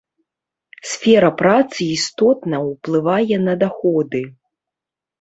Сфера працы істотна ўплывае на даходы.